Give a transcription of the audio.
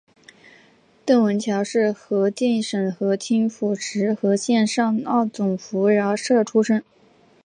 邓文乔是河静省河清府石河县上二总拂挠社出生。